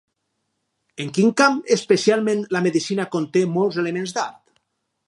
En quin camp especialment la medicina conte molts elements d'art?